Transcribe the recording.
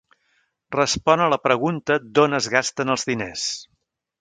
Respon a la pregunta d'on es gasten els diners.